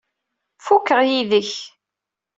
Fukeɣ yid-k.